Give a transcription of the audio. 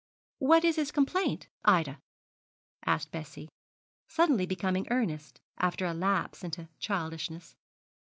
What is his complaint, Ida?' asked Bessie, suddenly becoming earnest, after a lapse into childishness.